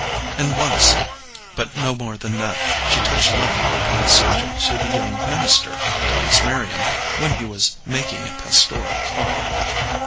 And once, but no more than that, she touched lightly upon the subject to the young minister, Thomas Merriam, when he was making a pastoral call.